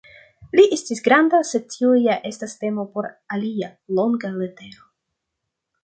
Li estis granda, sed tio ja estas temo por alia, longa letero.